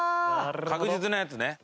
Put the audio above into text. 確実なやつね。